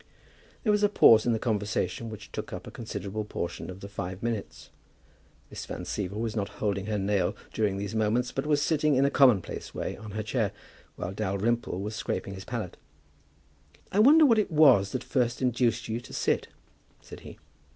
There was a pause in the conversation which took up a considerable portion of the five minutes. Miss Van Siever was not holding her nail during these moments, but was sitting in a commonplace way on her chair, while Dalrymple was scraping his palette. "I wonder what it was that first induced you to sit?" said he.